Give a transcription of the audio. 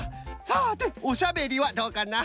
さておしゃべりはどうかな？